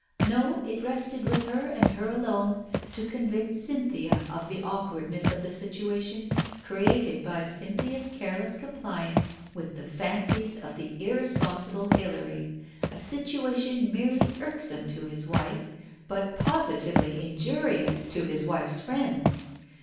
No, it rested with her and her alone, to convince Cynthia of the awkwardness of the situation created by Cynthia's careless compliance with the fancies of the irresponsible Hilary, a situation merely irksome to his wife, but positively injurious to his wife's friend.